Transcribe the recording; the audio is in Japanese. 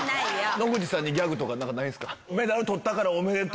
野口さんにギャグとか何かないですか？